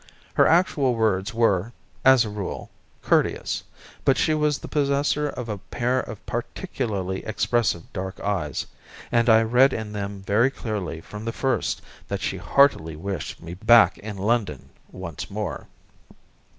Her actual words were, as a rule, courteous, but she was the possessor of a pair of particularly expressive dark eyes, and I read in them very clearly from the first that she heartily wished me back in London once more.